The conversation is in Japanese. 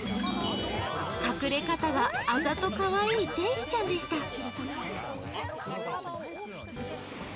隠れ方があざとカワイイ天使ちゃんでした。